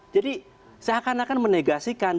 jadi seakan akan menegasikan bagaimana